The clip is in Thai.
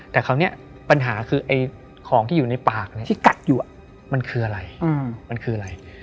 แต่คราวนี้ปัญหาคือไอ้ของที่อยู่ในปากที่กัดอยู่มันคืออะไร